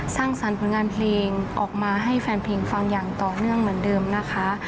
สร้างสรรค์ผลงานเพลงออกมาให้แฟนเพลงฟังอย่างต่อเนื่องเหมือนเดิมนะคะ